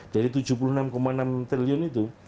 jadi tujuh puluh enam enam triliun itu